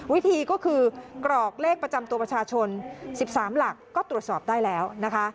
วิธีก็คือกรอกเลขประจำตัวประชาชน๑๓หลักก็ตรวจสอบได้แล้วนะคะ